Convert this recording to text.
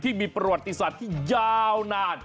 ที่มีประวัติศาสตร์ที่ดี